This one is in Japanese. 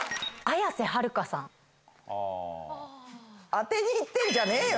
当てに行ってんじゃねえよ。